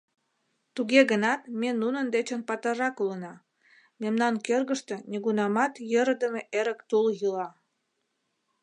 Туге гынат ме нунын дечын патыррак улына: мемнан кӧргыштӧ нигунамат йӧрыдымӧ эрык тул йӱла!..